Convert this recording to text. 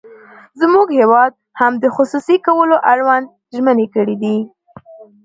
زموږ هېواد هم د خصوصي کولو اړوند ژمنې کړې دي.